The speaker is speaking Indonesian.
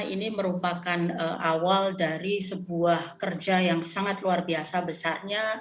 ini merupakan awal dari sebuah kerja yang sangat luar biasa besarnya